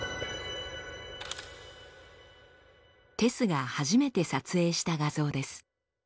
ＴＥＳＳが初めて撮影した画像です。